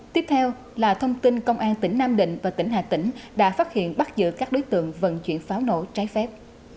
tiếp theo là thông tin công an tỉnh nam định và tỉnh hà tĩnh đã phát hiện bắt giữ các đối tượng vận chuyển pháo nổ trái phép